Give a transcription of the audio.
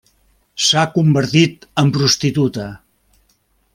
S'ha convertit en prostituta.